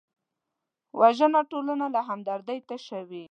وژنه ټولنه له همدردۍ تشه کوي